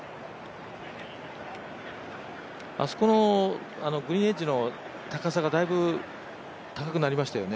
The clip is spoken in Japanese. あそこのグリーンエッジの高さがだいぶ高くなりましたよね。